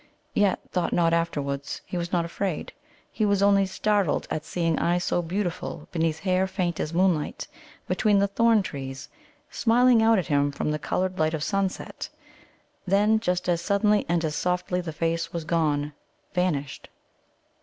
Yet, thought Nod afterwards, he was not afraid. He was only startled at seeing eyes so beautiful beneath hair faint as moonlight, between the thorn trees, smiling out at him from the coloured light of sunset. Then, just as suddenly and as softly, the face was gone, vanished.